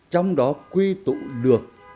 trong đó quy tụ được